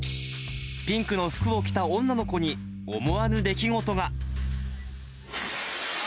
ピンクの服を着た女の子に、思わぬ出来事が。